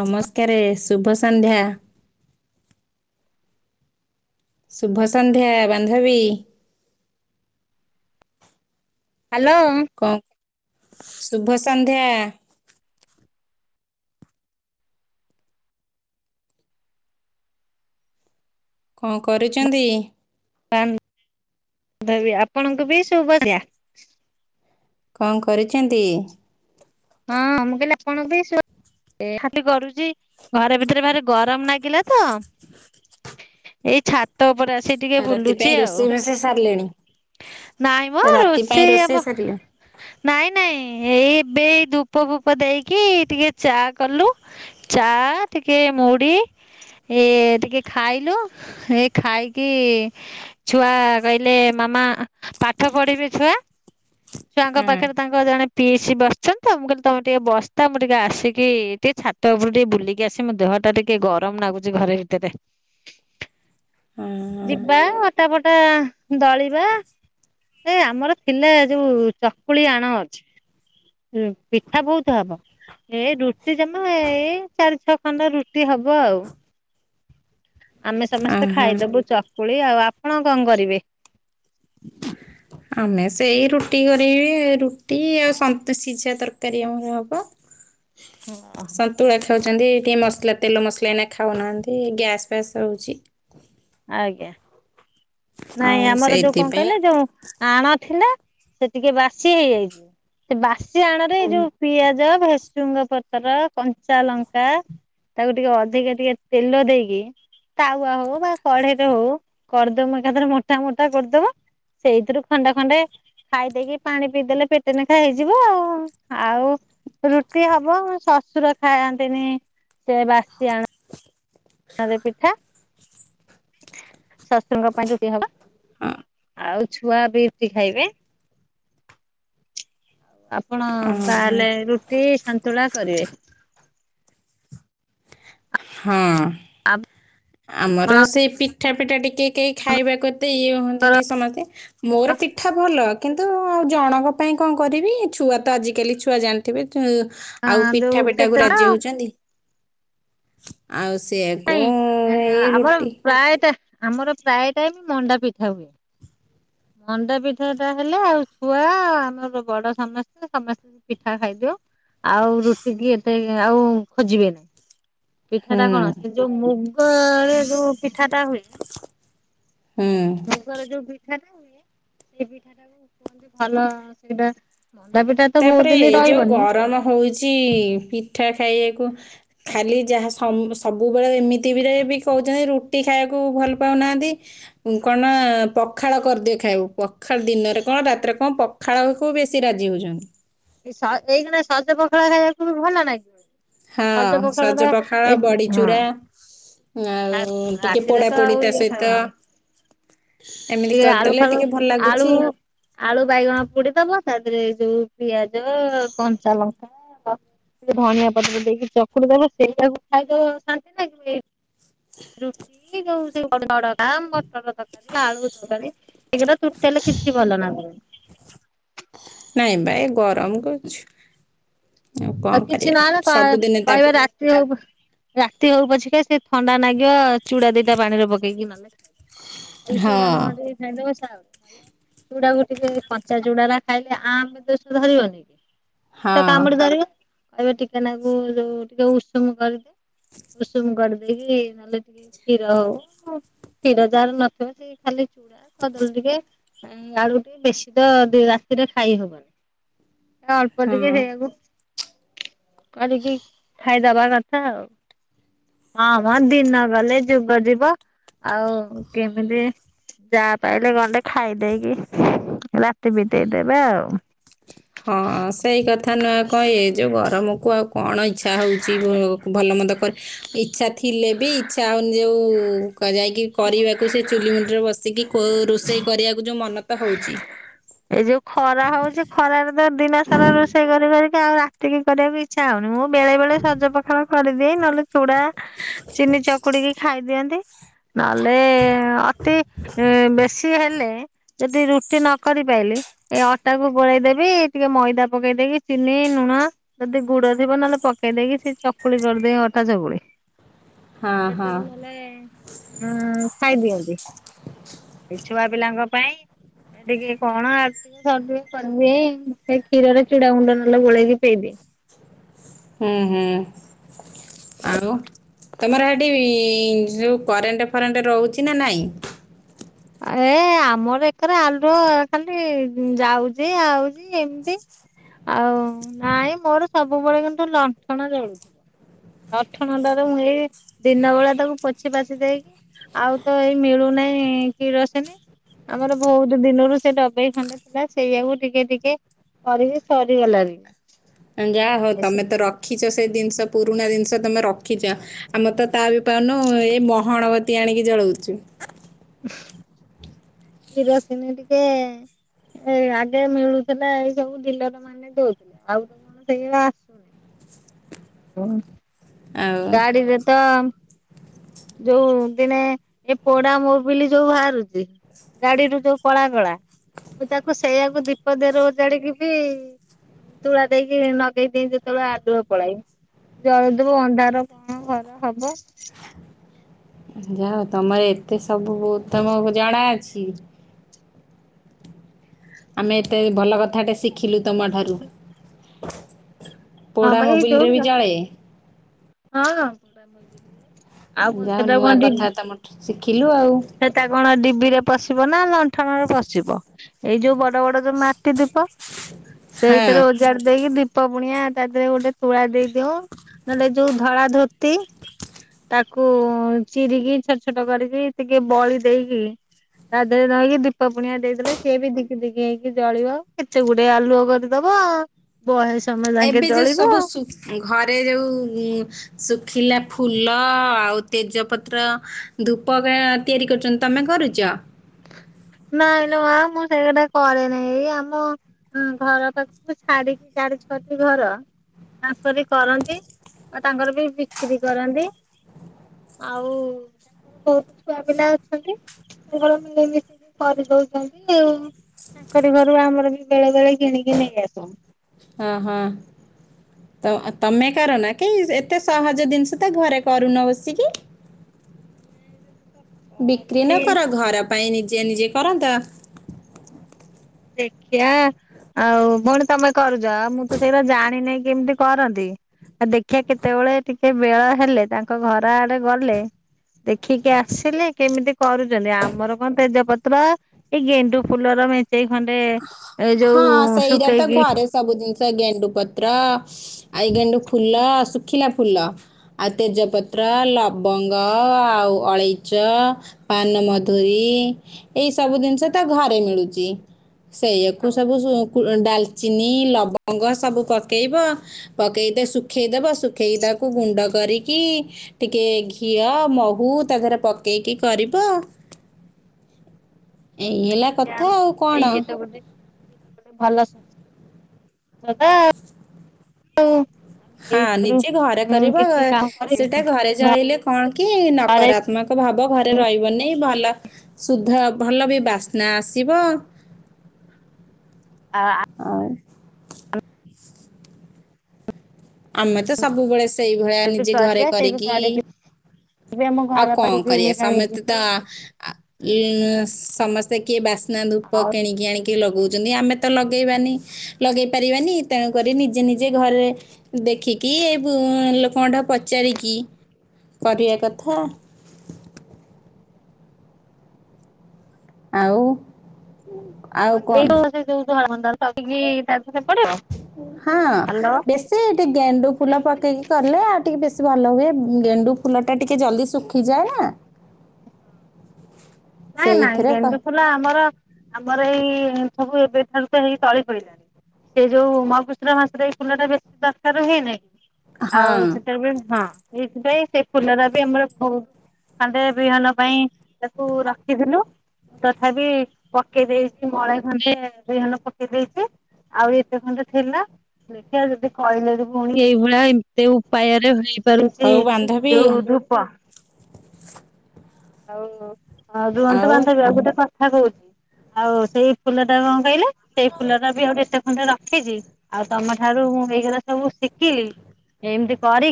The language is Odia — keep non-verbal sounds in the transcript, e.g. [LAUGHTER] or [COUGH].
ନମସ୍କାର ଶୁଭ ସନ୍ଧ୍ୟା। ଶୁଭ ସନ୍ଧ୍ୟା ବାନ୍ଧବୀ। ହାଲୋ। କଁ ଶୁଭ ସନ୍ଧ୍ୟା। କଣ କରୁଛନ୍ତି। ବାନ୍ଧବୀ ଆପଣ ଙ୍କୁ ବି ଶୁଭ ସନ୍ଧ୍ୟା। କଣ କରିଛନ୍ତି? ହଁ ମୁଁ କହିଲି ଆପଣଙ୍କ ବି ଶୁଭ ଏହାତି କରୁଛି ଘରେ ଭିତରେ ଭାର ଗରମ ଲାଗିଲା ତ। ଏଇ ଛାତ ଉପରେ ଆସ ଛି ଟିକେ ରାତି ପାଇଁ ବୁଲୁଛି ଆଉ ରୋଷେଇ ଫୋଷେଇ ସାରିଲେଣି ନାଇଁ ମ ରାତି ପାଇଁ ରୋଷେଇ ଆମ ସାରିଲେଣି ନାଇଁ ନାଇଁ ଏଇ ଏବେ ଧୂପ ବୁପ ଦେଇକି ଟିକେ ଚା କଲୁ ଚା ଟିକେ ମୁଢ଼ି। ଏ ଟିକେ ଖାଇଲୁ ଏ ଖାଇକି। ଛୁଆ କହିଲେ ମାମା ପାଠ ପଢିବେ ଛୁଆ। ଛୁଆଙ୍କ ହଁ ପାଖରେ ତାଙ୍କ ଜଣେ ପିଇସି ବସିଛନ୍ତି। ତ ମୁଁ କହିଲି ତମେ ଟିକେ ବସ୍ତା ମୁଁ ଟିକେ ଆସିକି ଟିକେ ଛାତ ଉପରେ ଟିକେ ବୁଲିକି ଆସି ମୋ ଦେହ ଟା ଟିକେ ଗରମ ଲାଗୁଛି ଘରେ ଭିତରେ। [INAUDIBLE] ହଁ ଯିବା ଅଟାଫଟା ଦଳିବା। ଏ ଆମର ଥିଲା ଯୋଉ ଚକୁଳି ଆଣ ଅଛି। ଉଁ ପିଠା ବହୁତ ହବ। ଏ ରୁଟି ଜମା ଏଇ ଚାରି ଛଅ ଖଣ୍ଡ ରୁଟି ହବ ଆଉ। [INAUDIBLE] ଆମେ ସମସ୍ତେ ଆହା ଖାଇଦବୁ ଚକୁଳି ଆଉ ଆପଣ କଣ କରିବେ? ଆମେ ସେଇ ରୁଟି କରିବି ରୁଟି ଆଉ ସନ୍ ସିଝା ତରକାରୀ ଆମର ହବ। [INAUDIBLE] [UNINTELLIGIBLE] ସନ୍ତୁଳା ଖାଉଛନ୍ତି ଟିକେ ମସଲା ତେଲ ମସଲା ଏଇନା ଖାଉନାହାନ୍ତି ଗ୍ୟାସ୍ ଫ୍ୟାସ୍ ହଉଛି। ଆଜ୍ଞା। ନାଇଁ ଆଉ ଆମର ଯୋଉ କଣ କହିଲେ ସେଇଥିପାଇଁ ଯୋଉ ଆଣ ଥିଲା ସେ ଟିକେ ବାସି ହେଇଯାଇଛି ସେ ବାସି ଆଣ ରେ ଏଇ ଯୋଉ ପିଆଜ ଭେସୁଙ୍ଗ ପତ୍ର କଞ୍ଚା ଲଙ୍କା। ତାକୁ ଟିକେ ଅଧିକା ଟିକେ ତେଲ ଦେଇକି ତାୱା ହଉ ବା କଢେଇରେ ହଉ କରିଦମ ଏକାଥରେ ମୋଟା ମୋଟା କରିଦବ ସେଇଥିରୁ ଖଣ୍ଡେ ଖଣ୍ଡେ ଖାଇଦେଇକି ପାଣି ପିଇଦେଲେ ପେଟ ନେଖା ହେଇଯିବ ଆଉ ଆଉ ରୁଟି ହବ ମୋ ଶ୍ୱଶୁର ଖାଆନ୍ତିନି ସେ ବାସି ଆଣ। [INAUDIBLE] ପିଠା ଶଶୁଙ୍କ ପାଇଁ ରୁଟି ହବ। ଆଉ ଛୁଆ ବି ରୁଟି ଖାଇବେ। ଆପଣ ତାହାଲେ ରୁଟି ସନ୍ତୁଳା କରିବେ। ହଁ ଆମର ଆପଣ ସେଇ ପିଠା ପିଠା ଟିକେ କେହି ଖାଇବାକ ଏତେ ଇଏ ହୁଅନ୍ତନି ସମସ୍ତେ ମୋର ପିଠା ଭଲ। କିନ୍ତୁ ଜଣଙ୍କ ପାଇଁ କଣ କରିବି ଛୁଆ ତ ଆଜିକାଲି ଛୁଆ ଜାଣିଥିବେ। ଆଉ ଯୋଉ ପିଠା ପିଠା କୁ କେତେ ରାଜି ନାଇଁ ହଉଛନ୍ତି। ଆଉ ସେୟା ନାଇଁ ଆମର ପ୍ରାୟଟ ଆମର ପ୍ରାୟ ଟାଇମ୍ ମଣ୍ଡା ପିଠା ହୁଏ। ମଣ୍ଡାପିଠା ଟା ହେଲେ ଆଉ ଛୁଆ ଆମର ବଡ ସମସ୍ତେ ସମସ୍ତେ ପିଠା ଖାଇଦଉ ଆଉ ରୁଟି କି ଏତେ ଆଉ ଖୋଜିବେନି। ପିଠା ହୁଁ ଟା କଣ ସେ ଯୋଉ ମୁଗରେ ଯୋଉ ପିଠା ଟା ହୁଏ। ହୁଁ। ଯୋଉ ପିଠା ଟା ହୁଏ ସେଇ ପିଠା ଟାକୁ କୁହନ୍ତି ଭଲ ସେଇଟା ମଣ୍ଡା ପିଠା। ତ ବହୁତ ତାପରେ ଦିନ ଏଇ ଯୋଉ ରହିବନି ଗରମ ହଉଛି ପିଠା ଖାଇବାକୁ। ଖାଲି ଯାହା ସବୁବେଳେ ଏମିତି ବିରେ ବି କହୁଛନ୍ତି ରୁଟି ଖାଇବାକୁ ଭଲ ପାଉନାହାଁନ୍ତି। କଣ ପଖାଳ କରିଦିଏ ଖାଇବାକୁ ପଖାଳ ଦିନରେ କଣ ରାତିରେ କଣ ପ ଖାଳକୁ ବେଶି ରାଜି ହଉଛନ୍ତି। ଏଇ ସ-ଏଇଖିଣା ସଜ ପଖାଳ ଖାଇବାକୁ ବି ଭଲ ନାଗିବ। ହଁ ସଜ ପଖାଳ ଟା ଏ ବଡ଼ି ହଁ ଚୁରା ଆଉ ସା ଟିକେ ରାତିରେ ପୋଡ଼ା ତ ପୋଡ଼ି ଆଉ ତା ଇଏ ସହିତ ଖାଇବା ଆଉ। ଏମିତି ଟିକେ ଆଳୁ କରିଦେଲେ ଫାଳୁ, ଟିକେ ଭଲ ଆଳୁ ଲାଗୁଛି ଆଳୁ ବାଇଗଣ ପୋଡିଦବ ତାଦେହରେ ଯୋଉ ପିଆଜ ଆଉ କଞ୍ଚା ଲଙ୍କା କ ଟିକେ ଧଣିଆ ପତ୍ର ଦେଇକି ଚକୁଟି ଦବ। ସେଇଆକୁ ଖାଇଦବ ଶାନ୍ତି ନାଗିବ। ଏ ରୁଟି ଯୋଉ ସେ [INAUDIBLE] ଆଁ, ମଟର ତରକାରୀ, ଆଳୁ ତରକାରୀ, ଏଗୁଡା ଟୁଟାଲି କିଛି ଭଲ ନାଗୁନି। ନାଇଁ ବା ଏ ଗରମ କରଛୁ। ଓ କିଛି ନହେନେ କ- ସବୁଦିନେ କହିବେ ତାପରେ ରା ସେ ଆଉ ପ- ରାତି ହଉ ପଛକେ ସେ ଥଣ୍ଡା ନାଗିବ ଚୁଡା ଦିଟା ପାଣିରେ ପକେଇକି ନଲେ ଏଇ ହଁ ଚୂଡ଼ା ନନେ ଟିକେ ଖାଇଦବ ସା [INAUDIBLE] ଚୁଡାକୁ ଟିକେ କଞ୍ଚା ଚୁଡାରା ଖାଇଲେ ଆମ ଦୋଷ ଧରିବନି କି। ହଁ ପେଟ କାମୁଡି ଧରିବ। କହିବେ ଟିକେ ନାକୁରୁ ଟିକେ ଉଷୁମ କରିଦିଏ। ଉଷୁମ କରିଦେଇକି ନଲେ ଟିକେ କ୍ଷୀର ହଉ ତ କ୍ଷୀର ଯାହାର ନଥିବ ସେ ଖାଲି ଚୁଡା କଦଳୀ ଟିକେ ହେଇଁ ଆଳୁ ଟି ବେଶୀ ତ ଦି ରାତିରେ ଖାଇହବନି। ତ ଅଳ୍ପ ଟିକେ ହଁ ସେଇଆକୁ କରିକି ଖାଇଦବା କଥା ଆଉ। ହଁ ମୋ ଦିନ ଗଲେ ଯୁଗ ଯିବ। ଆଉ କେମିତି ଯାହା ପାଇଲେ ଗଣ୍ଡେ ଖାଇ ଦେଇକି ରାତି ବିତେଇଦେବା ଆଉ। ହଁ ସେଇ କଥା ନୁହେଁ ଆଉ କଣ ଏ ଯୋଉ ଗରମକୁ ଆଉ କଣ ଇଚ୍ଛା ହଉଛି ବୋ। ଭଲ ମନ୍ଦ କରି ଇଚ୍ଛା ଥିଲେ ବି ଇଚ୍ଛା ହଉନି ଯୋଉ କୁହା ଯାଏକି କରିବାକୁ ସେ ଚୁଲି ମୁଣ୍ଡରେ ବସିକି କୋଉ ରୋଷେଇ କରିବାକୁ ଯୋଉ ମନ ତ ହଉଚି। ଏଇ ଯୋଉ ଖରା ହଉଛି ଖରାରେ ତ ଦିନ ସାରା ରୋଷେଇ କରି କରିକା ଆଉ ରା ଟିକେ କରିବାକୁ ଇଚ୍ଛା ହଉନି। ମୁଁ ବେଳେ ବେଳେ ସଜ ପଖାଳ କରିଦିଏ। ନହେଲେ ଚୁଡା ଚିନି ଚକୁଡିକି ଖାଇଦିଅନ୍ତି। ନଲେ ଅତି ଉଁ, ବେଶୀ ହେଲେ ଯଦି ରୁଟି ନ କରିପାଇଲିି ଏ ଅଟା କୁ ଗୋଳେଇଦେବି ଟିକେ ମଇଦା ପକେଇଦେଇକି ଚିନି ନୁଣ ଯଦି ଗୁଡ ଥିବ ନହେଲେ ପକେଇ ଦେଇକି ସେ ଚକୁଳି କରିଦିଏ ଅଟା ଚକୁଳି। ହଁ ସେଟା ହଁ। ବି ନହଲେ ହୁଁ, ଖାଇ ଦିଅନ୍ତି। ଏଇ ଛୁଆ ପିଲାଙ୍କ ପାଇଁ ଏ ଟିକେ କଣ [INAUDIBLE] [INAUDIBLE] କରିିବି ସେଇ କ୍ଷୀରରେ ଚୁଡା ଗୁଣ୍ଡ ନଲେ ଗୋଳେଇକି ପେଇ ଦିଏ। ହଁ, ହଁ। ଆଉ ତୋମର ସେଠି ଯୋଉ କରେଣ୍ଟ ଫରେଣ୍ଟ ରହୁଛି ନା ନାଇଁ? ଏ ଆମର ଏକରେ ଆଲୁଅ ଖାଲି ଯାଉଚି ଆଉଚି ଏମତି। ଆଉ ନାଇଁ ମୋର ସବୁବେଳେ କିନ୍ତୁ ଲଣ୍ଠଣ ଜଳୁଥିବ। ଲଣ୍ଠଣ ଟାରେ ମୁଁ ଏଇ ଦିନ ବେଳା ତାକୁ ପୋଛି ପାଛି ଦେଇକି ଆଉ ତ ଏଇ ମିଳୁ ନାହିଁ କିରୋସିନୀ। ଆମର ବହୁତ ଦିନରୁ ସେ ଡବେଇ ଖଣ୍ଡେ ଥିଲା ସେଇଆକୁ ଟିକେ ଟିକେ କରିକି ସରିଗଲାଣି। ଅଁ, ଯା ହଉ ଏସ ତୋମେ ତ ରଖିଛ ସେ ଦିନିଷ ପୁରୁଣା ଜିନିଷ ତୋମେ ରଖିଚ। ଆମର ତ ତା ବି ପାଉନୁ ଏ ମହଣବତୀ ଆଣିକି ଜଳଉଚୁ। ଉଁହୁଁ। କିରୋସିନି ଟିକେ ଏଇ ଆଗେ ମିଳୁଥିଲା ଏଇ ସବୁ ଡିଲର ମାନେ ଦଉଥିଲେ। ଆଉ ତ କଣ ସେଇ ଆସୁନି। ଉଁ ଆଉ। ଗାଡିରେ ତ ଯୋଉ ଦିନେ ଏ ପୋଡା ମୋବିଲି ଯୋଉ ବାହାରୁଚି। ଗାଡିରୁ ଯୋଉ କଳା କଳା। ମୁଁ ତାକୁ ସେଇଆକୁ ଦୀପ ଦେହରେ ଉଜାଡିକି ବି ତୁଳା ଦେଇକି ନଗେଇ ଦିଏ ଯେତେବେଳେ ଆଲୁଅ ପଳାଏ। ଜଳଥୁବୁ ଅନ୍ଧାର କଣ ଘର ହବ। ଯାହା ହୋଉ ତମର ଏତେ ସବୁ ବୁ ତମକୁ ଜଣା ଅଛି। ଆମେ ଏତେ ଭଲ କଥାଟେ ଶିଖିଲୁ ତମଠାରୁ। ହଁ ପା ଏଇ ଯୋଉ ମୋବିଲରେ ବି [UNINTELLIGIBLE] ଜଳେ। ହଁ। ଆଉ କଣ ଯାହା ହଉ ସେଟା ନୂଆ କଣ ଠିକ୍। କଥା ତମଠୁ ଶିଖିଲୁ ଆଉ। ସେଟା କଣ ଡିବିରେ ପଶିବ ନା ଲଣ୍ଠନରେ ପଶିବ। ଏଇ ଯୋଉ ବଡ ବଡ ଯୋଉ ମାଟି ଦୀପ ହଁ ସେଇଥିରେ ଓଜାଡି ଦେଇକି ଦୀପ ବୁଣିଆ ତା ଦେହରେ ଗୋଟେ ତୁଳା ଦେଇ ଦିଅ ନହଲେ ଯୋଉ ଧଳା ଧୋତି ତାକୁ ଚିରିକି ଛୋଟ ଛୋଟ କରିକି ଟିକେ ବଳି ଦେଇକି ତାଦେହରେ ରହିକି ଦୀପ ପୁଣିଆ ଦେଇଦେଲେ ସିଏ ବି ଦିକି ଦିକି ହେଇକି ଜଳିବ କେତେ ଗୋଟେ ଆଲୁଅ କରି ଦବ ବହେ ସମୟ ସାଙ୍ଗେ ଏବେ ଯୋଉ ଜଳିବ। ସବୁ ସୁ ଘରେ ଯୋଉ ଶୁଖିଲା ଫୁଲ ଆଉ ତେଜପତ୍ର ଧୂପ କା ତିଆରି କରୁଚନ୍ତି। ତମେ କରୁଚ? ନାଇଁଲୋ ମାଁ ମୁଁ ସେଇଗୁଡା କରେନାଇଁ ଏଇ ଆମ ହୁଁ ଘର ପାଖକୁ ଛାଡିକି ଚାରି ଛଅଟି ଘର। ତାଙ୍କରି କରନ୍ତି ଆଉ ତାଙ୍କର ବି ବିକ୍ରି କରନ୍ତି। ଆଉ ତାଙ୍କର ବୋହୁତ ଛୁଆ ପିଲା ଅଛନ୍ତି ତାଙ୍କର ମିଳିମିଶିକି କରିଦୋଉଚନ୍ତି ଆଉ ତାଙ୍କରି ଘରୁ ଆମର ବି ବେଳେ ବେଳେ କିଣିକି ନେଇ ଆସୁ। ହଁ ହଁ। ତ-ତମେ କର ନା କି ଏତେ ସହଜ ଜିନିଷ ତ ଘରେ କରୁନ ବସିକି। ବିକ୍ରି ନ କରି କର ଘର ପାଇଁ ନିଜେ ନିଜେ କରନ୍ତ। ଦେଖିଆ। ଆଉ ଭୋଉଣୀ ତମେ କରୁଚ? ମୁଁ ତ ସେଇଉରା ଜାଣିନି କେମିତି କରନ୍ତି। ଆଉ ଦେଖିବା କେତେବେଳେ ଟିକେ ବେଳ ହେଲେ ତାଙ୍କ ଘର ଆଡେ ଗଲେ। ଦେଖିକି ଆସିଲେ କେମିତି କରୁଚନ୍ତି। ଆମର କଣ ତେଜପତ୍ର ଏଇ ଗେଣ୍ଡୁ ଫୁଲର ମେଞ୍ଚେଇ ଖଣ୍ଡେ ଏ ଯୋଉ ହଁ ସେଇଟା ତ ଶୁକେଇକି ଘରେ ସବୁ ଜିନିଷ ଗେଣ୍ଡୁ ପତ୍ର ଆଇ ଗେଣ୍ଡୁ ଫୁଲ ଶୁଖିଲା ଫୁଲ। ଆଉ ତେଜପତ୍ର ଲବଙ୍ଗ ଆଉ ଅଳେଇଚ ପାନମଧୁରୀ ଏଇ ସବୁ ଜିନିଷ ତ ଘରେ ମିଳୁଚି। ସେଇଆକୁ ସବୁ ସୁ କୁ ଡାଲଚିନି ଲବଙ୍ଗ ସବୁ ପକେଇବ। ପକେଇ ତ ଶୁଖେଇଦବ ଶୁଖେଇ ତାକୁ ଗୁଣ୍ଡ କରିକି ଟିକେ ଘିଅ ମହୁ ତା ଦେହେରେ ପକେଇକି କରିବ। ଏଇ ହେଲା କଥା ଆଉ କଣ। ଏ [INAUDIBLE] ଭଲ [INAUDIBLE] ଆଉ ଆମେ ହଁ ଏଇଥିରୁ ନିଜେ ଘରେ ମୁଁ କରିବ। କିଛି କାମ କରେ ସେଟା ଘରେ ଜଳେଇଲେ କଣ କି ଘରେ ନକାରତ୍ମ କ ଭାବ ଘରେ ରହିବନି ଭଲ ଶୁଦ୍ଧ ଭଲ ବି ବାସ୍ନା ଆସିବ। ଆ ଆଏ ଆମେ ତ ସବୁବେଳେ ସେଇଭଳିଆ ଆମେ ବି ନିଜେ ଘରେ କରିବା ସେଇଠୁ କରିକି ଆମ ଆଉ ଘର କଣ ପାଖରୁ କରିବା କିଣିକି ଆଣିକି ସମେତେ ତ ଆ ଇଏ ସମସ୍ତେ କିଏ ବାସ୍ନା ଧୂପ ଆଉ କିଣିକି ଆଣି କି ଲଗୋଉଚନ୍ତି ଆମେ ତ ଲଗେଇବାନି ଲଗେଇ ପାରିବାନି ତେଣୁ କରି ନିଜେ ନିଜେ ଘରେ ଦେଖିକି ଏ ଲୋକଙ୍କଠା ପଚାରିକି କରିବା କଥା। ଆଉ ଆଉ ଏ କଣ ହରମ [UNINTELLIGIBLE] [INAUDIBLE] ହଁ ବେଶ ସେଠି ଗେଣ୍ଡୁ ଫୁଲ ପକେଇକି କଲେ ଆଉ ଟିକେ ବେଶୀ ଭଲ ହୁଏ ଗେଣ୍ଡୁ ଫୁଲ ଟା ଟିକେ ଜଲ୍ଦି ଶୁଖ ଶୁଖିଯାଏ ନା। ନାଇଁ ନାଇଁ ସେଇଥିରେ କ- ଗେଣ୍ଡୁ ଫୁଲ ଆମର ଆମର ଏଇ ସବୁ ଏବେଠାରୁ ତ ହେଇି ତଳି ପଡିଲାଣି ସେଇ ଯୋଉ ମହାପୁଶୁର ମାସଟ ଏଇ କୁଣ୍ଡ ଟା ବେଶୀ ଦରକାର ହୁଏନାହିଁ ଆଉ ହଁ ସେଥି ବି ହଁ। ସେଇଥିପାଇଁ ସେ ଫୁଲଟା ବି ଆମର ବହୁତ ଖାଣ୍ଡେ ବିହନ ପାଇଁ ତାକୁ ରଖିଥିଲୁ ମୁଁ ତଥାପି ପକେଇ ଦେଇଛି ମଳେ ଘଣ୍ଡେ ଦୁଇଘଣ୍ଡ ପକେଇ ଦେଇଛି। ଆହୁରି ଏତେ ଖଣ୍ଡ ଥିଲା। ଦେେଖିଆ ଯଦି କହିଲେ ପୁଣି ଏଇଭଳିଆ ଏମତି ଉପାୟରେ- ହଉ ବାନ୍ଧବୀ ଯୋଉ ଆଉ [UNINTELLIGIBLE] ରୁହନ୍ତ ଆଉ ବାନ୍ଧ ଗୋଟେ କଥା କହୁଛି ଆଉ ସେଇ ଫୁଲ ଟା କଣ କହିଲେ ସେଇ ଫୁଲ ଟା ବି ଆ ଏତେ ଖଣ୍ଡେ ରଖିଛି। ଆଉ ତମ ଠାରୁ ମୁଁ ହେଇଗଲା ସବୁ ଶିଖିଲି ଏମତି କରିକି।